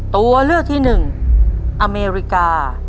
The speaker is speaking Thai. ตัวเลือกที่หนึ่งอเมริกา